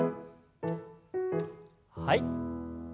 はい。